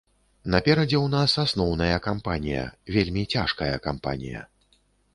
Наперадзе ў нас асноўная кампанія, вельмі цяжкая кампанія.